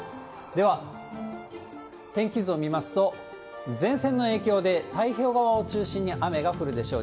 では、天気図を見ますと、前線の影響で、太平洋側を中心に雨が降るでしょう。